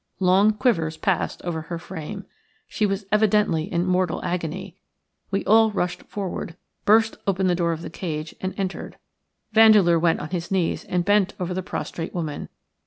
Long quivers passed over her frame. She was evidently in mortal agony. We all rushed forward, burst open the door of the cage, and entered. Vandeleur went on his knees and bent over the prostrate woman.